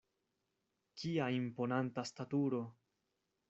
Kia imponanta staturo!